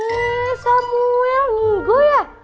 eh samuel ngunggu ya